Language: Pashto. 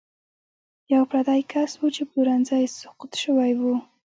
یو پردی کس و چې پلورنځی یې سقوط شوی و.